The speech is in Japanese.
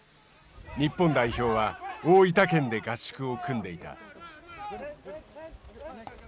日本代表は大分県で合宿を組んでいた。